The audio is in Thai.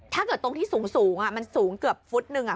ถ้าเกิดตรงที่สูงสูงอ่ะมันสูงเกือบฟุตหนึ่งอ่ะ